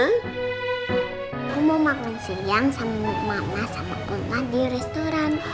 gue mau makan siang sama mama sama oma di restoran